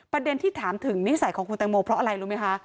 ประเด็นที่ถามถึงนิสัยของคุณแตงโมเพราะอะไรรู้ไหมคะ